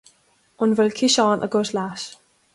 An bhfuil ciseán agat leat?